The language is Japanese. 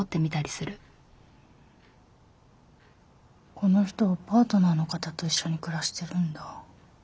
この人パートナーの方と一緒に暮らしてるんだ。